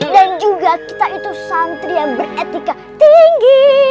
dan juga kita itu santri yang beretika tinggi